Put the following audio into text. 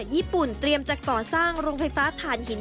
ญี่ปุ่นเตรียมจะก่อสร้างโรงไฟฟ้าฐานหิน